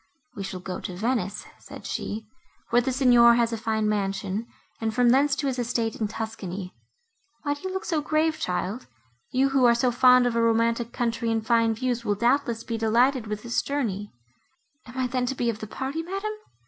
"We shall go to Venice," said she, "where the Signor has a fine mansion, and from thence to his estate in Tuscany. Why do you look so grave, child?—You, who are so fond of a romantic country and fine views, will doubtless be delighted with this journey." "Am I then to be of the party, madam?"